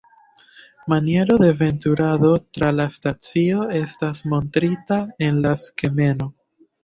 Maniero de veturado tra la stacio estas montrita en la skemo.